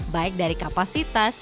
baik dari kapasitas